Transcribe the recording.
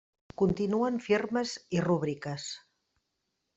Continuen firmes i rúbriques.